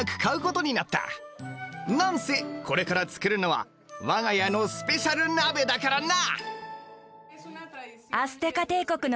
何せこれから作るのは我が家のスペシャル鍋だからな！